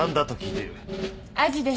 アジです。